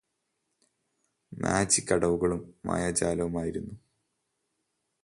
magic അടവുകളും മായാജാലവുമായിരുന്നു